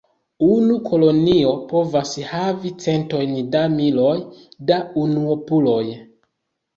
Unu kolonio povas havi centojn da miloj da unuopuloj.